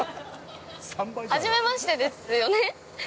初めましてですよね？